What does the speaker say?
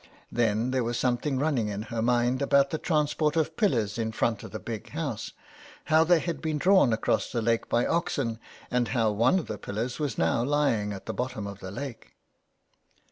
Then there was something running in her mind about the transport of pillars in front of the Big House — how they had been drawn across the lake by oxen, and how one of the pillars was now lying at the bottom of the lake.